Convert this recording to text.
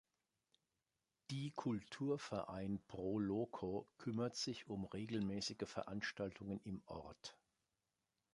Die Kulturverein "Pro Loco" kümmert sich um regelmäßige Veranstaltungen im Ort.